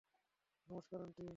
নমস্কার, আন্টি।